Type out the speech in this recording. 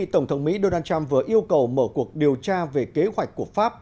tổng thống mỹ donald trump vừa yêu cầu mở cuộc điều tra về kế hoạch của pháp